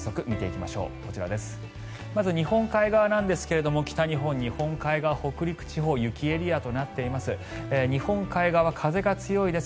まず、日本海側ですが北日本日本海側北陸地方雪エリアとなっています。